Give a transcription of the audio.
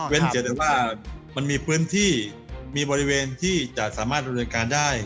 เว้นเกิดว่ามันมีพื้นที่มีบริเวณที่จะสามารถบริเวณการได้